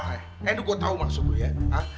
eh ini gue tau maksud gue ya